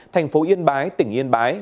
thành phố yên bái tỉnh yên bái